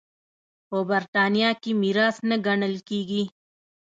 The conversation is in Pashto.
په برېټانیا کې میراث نه ګڼل کېږي.